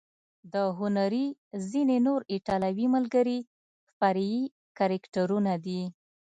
د هنري ځینې نور ایټالوي ملګري فرعي کرکټرونه دي.